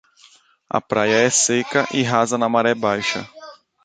A praia é seca e rasa na maré baixa.